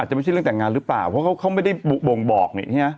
จะไม่ใช่เรื่องแต่งงานหรือเปล่าเพราะเขาไม่ได้บ่งบอก